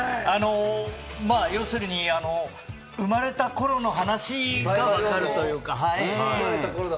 要するに、生まれた頃の話が分かるというか、はい。